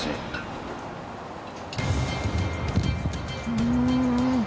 うん。